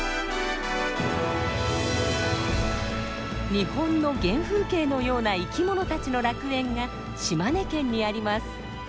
日本の原風景のような生きものたちの楽園が島根県にあります。